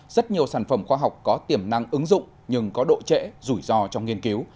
rất nhiều sản phẩm khoa học có tiềm năng ứng dụng nhưng có độ trễ rủi ro trong nghiên cứu